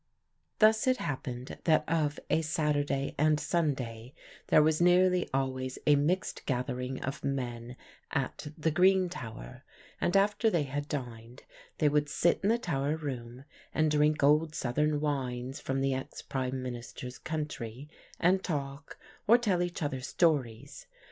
Thus it happened that of a Saturday and Sunday there was nearly always a mixed gathering of men at "The Green Tower", and after they had dined they would sit in the tower room and drink old Southern wines from the ex Prime Minister's country, and talk, or tell each other stories.